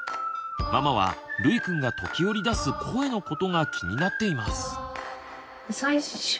ママはるいくんが時折出す声のことが気になっています。